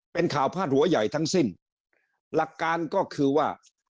เป็นข่าวพาดหัวใหญ่ทั้งสิ้นหลักการก็คือว่า